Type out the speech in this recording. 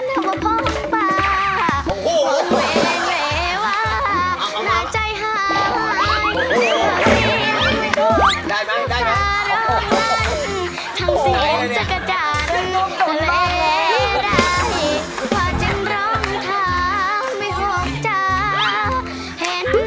ต้องมาดอนดงเบียน